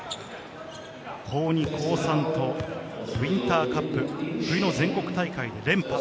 高２、高３とウインターカップ、冬の全国大会連覇。